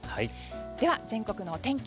では、全国のお天気